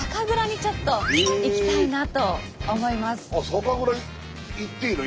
酒蔵行っていいの？